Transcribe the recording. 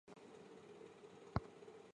日本各界都以此为荣。